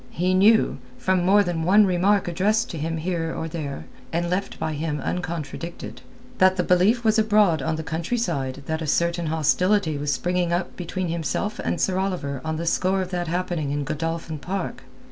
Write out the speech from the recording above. He knew—from more than one remark addressed him here or there, and left by him uncontradicted—that the belief was abroad on the countryside that a certain hostility was springing up between himself and Sir Oliver on the score of that happening in Godolphin Park.